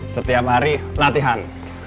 setiap hari latihan